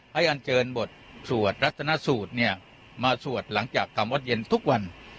อันเชิญบทสวดรัตนสูตรเนี่ยมาสวดหลังจากทำวัดเย็นทุกวัน